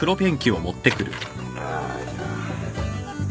よいしょ。